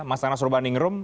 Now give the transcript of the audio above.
mas anas urbandingrum